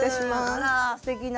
あらすてきな。